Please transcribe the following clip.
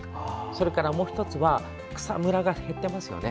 それから、もう１つは草むらが減ってますよね。